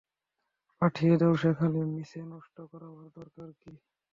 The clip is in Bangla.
পাঠিয়ে দাও সেখানে, মিছে নষ্ট করবার দরকার কী।